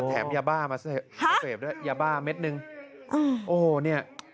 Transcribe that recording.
แล้วแถมยาบ้ามาซื้อฮะยาบ้าเม็ดหนึ่งโอ้โหเนี่ย